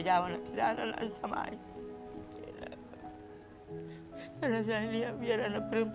lagi ngerjain tugas sambil jaga warung